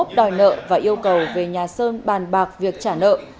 đòi nợ và yêu cầu về nhà sơn bàn bạc việc trả nợ